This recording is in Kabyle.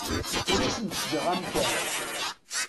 Ur asen-d-ttgeɣ amkan.